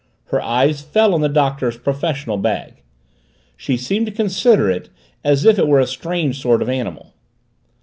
Her eye fell on the Doctor's professional bag she seemed to consider it as if it were a strange sort of animal.